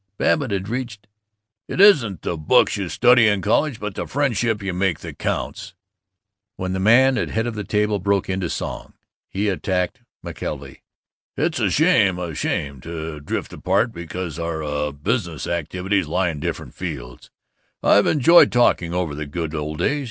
Babbitt had reached "It isn't the books you study in college but the friendships you make that counts" when the men at head of the table broke into song. He attacked McKelvey: "It's a shame, uh, shame to drift apart because our, uh, business activities lie in different fields. I've enjoyed talking over the good old days.